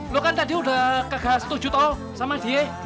lu kan tadi udah kagak setuju tau sama dia